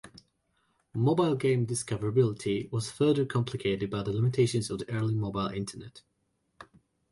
Mobile game discoverability was further complicated by the limitations of the early mobile internet.